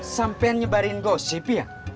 sampai nyebarin gosip ya